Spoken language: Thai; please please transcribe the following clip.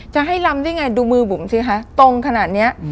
จะให้ลำได้ไงดูมือบุ๋มสิคะตรงขนาดนี้